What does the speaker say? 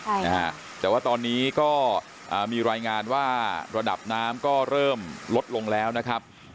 ใช่นะฮะแต่ว่าตอนนี้ก็อ่ามีรายงานว่าระดับน้ำก็เริ่มลดลงแล้วนะครับ